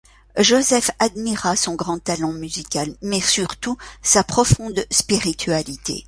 Joseph admira son grand talent musical, mais surtout, sa profonde spiritualité.